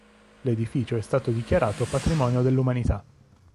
L'edificio è stato dichiarato patrimonio dell'umanità.